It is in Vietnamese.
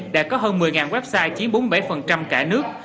đã có hơn một mươi website chiếm bốn mươi bảy cả nước